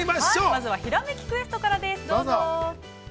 ◆まずは「ひらめきクエスト」からです、どうぞ。